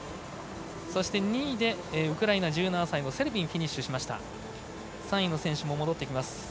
そして２位でウクライナ１７歳のセルビン、フィニッシュしました。